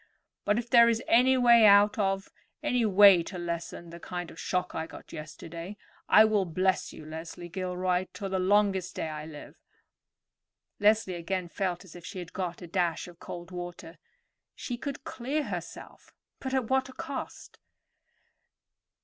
But if there is any way out of, any way to lessen the kind of shock I got yesterday, I will bless you, Leslie Gilroy, to the longest day I live." Leslie again felt as if she had got a dash of cold water. She could clear herself, but at what a cost!